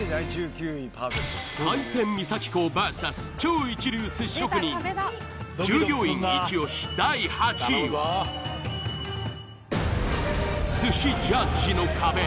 海鮮三崎港ＶＳ超一流寿司職人従業員イチ押し第８位は寿司ジャッジの壁